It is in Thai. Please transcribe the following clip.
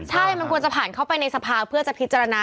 ใช่มันควรจะผ่านเข้าไปในสภาเพื่อจะพิจารณา